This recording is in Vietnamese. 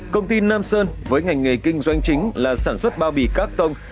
công ty nam sơn với ngành nghề kinh doanh chính là sản xuất bao bì các tông